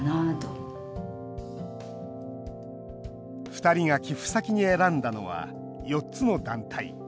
２人が寄付先に選んだのは４つの団体。